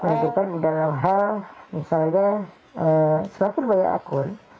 menurut saya dalam hal misalnya semakin banyak akun